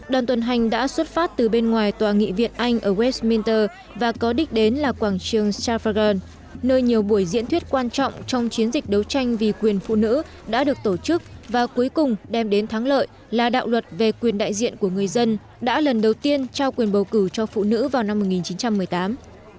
đoàn tuần hành đã xuất phát từ bên ngoài tòa nghị viện anh ở westminster và có đích đến là quảng trường safardern nơi nhiều buổi diễn thuyết quan trọng trong chiến dịch đấu tranh vì quyền phụ nữ đã được tổ chức và cuối cùng đem đến thắng lợi là đạo luật về quyền đại diện của người dân đã lần đầu tiên trao quyền bầu cử cho phụ nữ vào năm một nghìn chín trăm một mươi tám